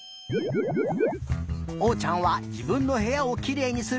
おうちゃんはじぶんのへやをきれいにする